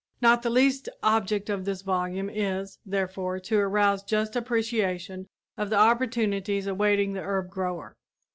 Not the least object of this volume is, therefore, to arouse just appreciation of the opportunities awaiting the herb grower.